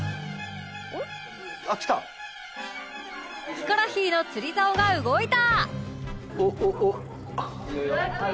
ヒコロヒーの釣り竿が動いた！